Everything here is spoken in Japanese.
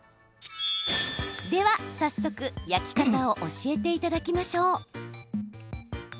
では、早速、焼き方を教えていただきましょう。